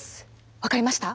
分かりました？